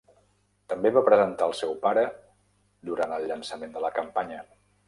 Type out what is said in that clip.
També va presentar al seu pare durant el llançament de la campanya.